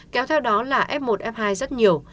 kéo theo đó là f một f hai rất nhiều